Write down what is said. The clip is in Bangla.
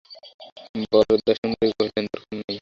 বরদাসুন্দরী কহিলেন, দরকার নেই!